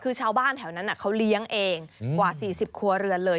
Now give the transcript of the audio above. คือชาวบ้านแถวนั้นเขาเลี้ยงเองกว่า๔๐ครัวเรือนเลย